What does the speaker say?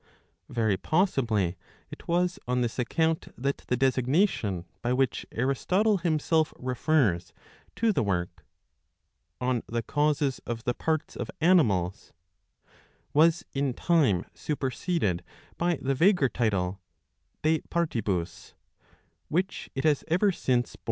Very possibly it was on this account that the designation by which Aristotle himself* refers to the work, " On the Causes of the Parts of Animals," was in time superseded by the vaguer title " De Partibus," which it has ever since borne.